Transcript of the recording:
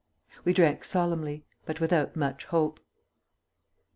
We drank solemnly, but without much hope.